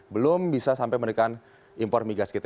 belum bisa sampai menekan impor migas kita